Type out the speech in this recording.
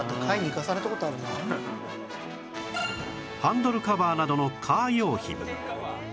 ハンドルカバーなどのカー用品